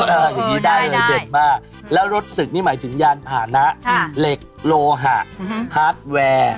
อย่างนี้ได้เลยเด็ดมากแล้วรถศึกนี่หมายถึงยานผ่านนะเหล็กโลหะฮาร์ดแวร์